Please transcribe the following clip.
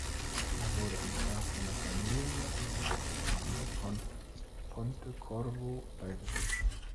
Er wurde im Grab seiner Familie in der Kathedrale von Pontecorvo beigesetzt.